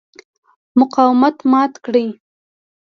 مقاومت مات کړ.